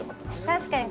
確かに。